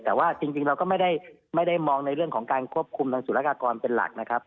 แต่ว่าจริงเราก็ไม่ได้มองในเรื่องของการควบคุมทางสุรกากรเป็นหลักนะครับ